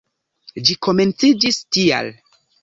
Ĝi komenciĝis tial.